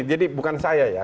jadi bukan saya ya